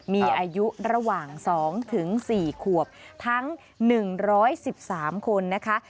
มีอายุระหว่าง๒๔ขวบทั้ง๑๑๓คนนะคะ